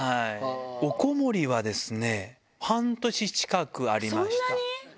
おこもりはですね、半年近くありそんなに？